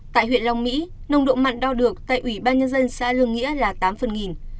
tại huyện long mỹ nồng độ mặn đo được tại ủy ban nhân dân xã lương nghĩa là tám phần nghìn